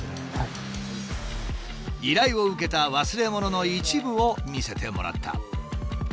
依頼を受けた忘れ物の一部を見せてもらった。